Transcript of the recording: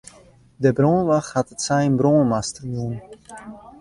De brânwacht hat it sein brân master jûn.